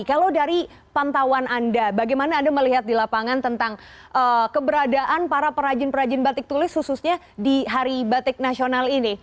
kalau dari pantauan anda bagaimana anda melihat di lapangan tentang keberadaan para perajin perajin batik tulis khususnya di hari batik nasional ini